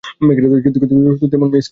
কিন্তু তেমন মেয়ে-ইস্কুল কোথায়?